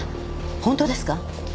本当ですか？